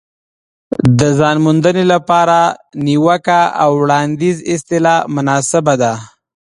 د ځان موندنې لپاره نیوکه او وړاندیز اصطلاح مناسبه ده.